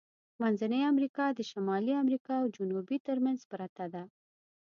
منځنۍ امریکا د شمالی امریکا او جنوبي ترمنځ پرته ده.